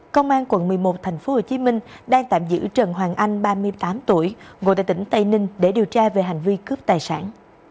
công an quận một mươi một tp hcm đang tạm giữ trần hoàng anh ba mươi tám tuổi ngộ tại tỉnh tây ninh để điều tra về hành vi cướp tài sản